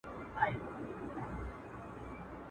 o خر پر درې گامه ځيني خطا کېږي.